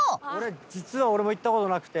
実は俺も行ったことなくて。